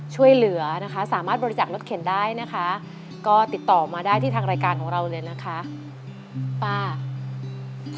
สื่อสารกับแม่นึกคือยังคุยกันรู้เรื่องปกติ